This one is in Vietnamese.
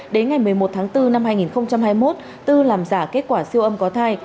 đến ngày một mươi một tháng bốn năm hai nghìn hai mươi một tư làm giả kết quả siêu âm có thai